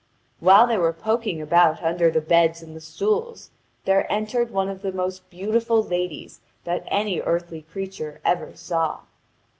While they were poking about under the beds and the stools, there entered one of the most beautiful ladies that any earthly creature ever saw.